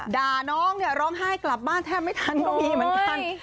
ด่าน้องเนี่ยร้องไห้กลับบ้านแทบไม่ทันก็มีเหมือนกัน